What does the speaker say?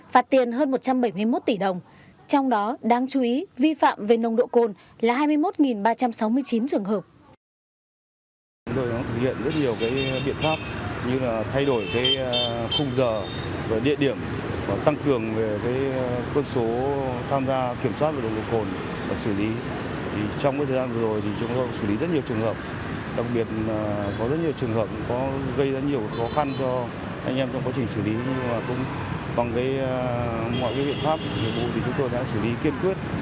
phạt tiền hơn một trăm bảy mươi một tỷ đồng trong đó đáng chú ý vi phạm về nông độ cồn là hai mươi một ba trăm sáu mươi chín trường hợp